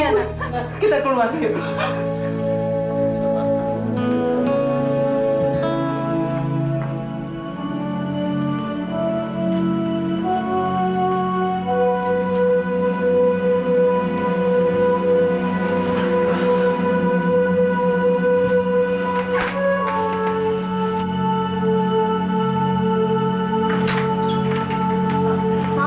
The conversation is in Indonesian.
iya kita keluar ibu